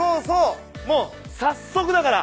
もう早速だから。